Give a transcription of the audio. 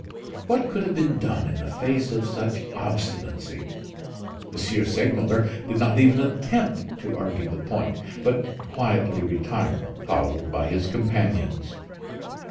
What could have been done in the face of such obstinacy? M. Segmuller did not even attempt to argue the point, but quietly retired, followed by his companions.